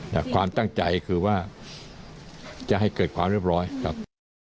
แต่ความตั้งใจคือว่าจะให้เกิดความเรียบร้อยครับ